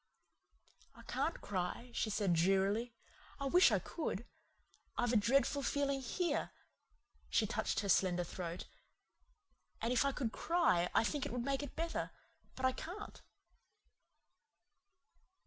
"I can't cry," she said drearily. "I wish I could. I've a dreadful feeling here " she touched her slender throat "and if I could cry I think it would make it better. But I can't."